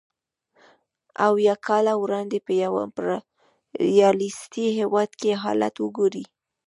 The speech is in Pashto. اویای کاله وړاندې په یو امپریالیستي هېواد کې حالت وګورئ